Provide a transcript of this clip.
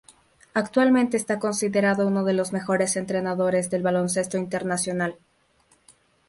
Actualmente está considerado uno de los mejores entrenadores del baloncesto internacional.